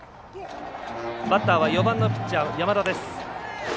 バッターは４番のピッチャー山田です。